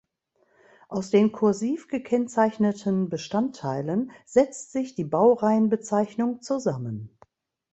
Aus den kursiv gekennzeichneten Bestandteilen setzt sich die Baureihenbezeichnung zusammen.